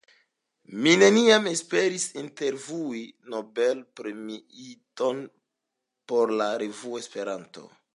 Mi neniam esperis intervjui Nobel-premiiton por la revuo Esperanto!